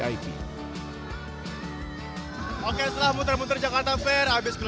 oke setelah muter muter jakarta fair